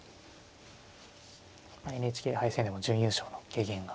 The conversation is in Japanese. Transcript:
ＮＨＫ杯戦でも準優勝の経験が。